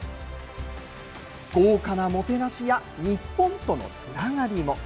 豪華なもてなしや、日本とのつながりも。